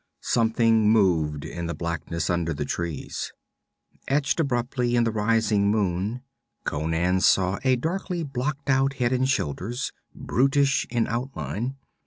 Something moved in the blackness under the trees. Etched abruptly in the rising moon, Conan saw a darkly blocked out head and shoulders, brutish in outline.